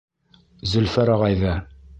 Зөлфәр ағайҙы!